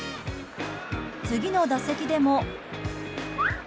次の打席でも。